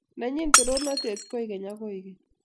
Nenyi torornatet koigeny ak koigeny.